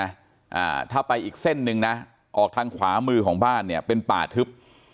อ่าถ้าไปอีกเส้นหนึ่งนะออกทางขวามือของบ้านเนี่ยเป็นป่าทึบ